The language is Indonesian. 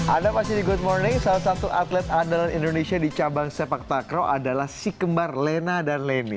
anda masih di good morning salah satu atlet andalan indonesia di cabang sepak takraw adalah si kembar lena dan leni